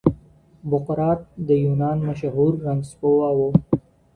بقراط د یونان مشهور رنځپوه و.